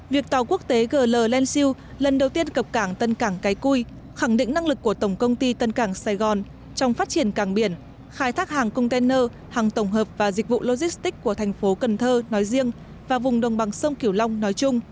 việc tàu quốc tế gl lan siêu lần đầu tiên cập cảng tân cảng cái cui khẳng định năng lực của tổng công ty tân cảng sài gòn trong phát triển cảng biển khai thác hàng container hàng tổng hợp và dịch vụ logistics của thành phố cần thơ nói riêng và vùng đồng bằng sông kiểu long nói chung